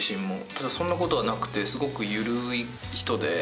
ただそんなことはなくてすごく。